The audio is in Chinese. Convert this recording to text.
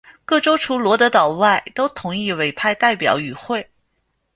各州除罗德岛外都同意委派代表与会。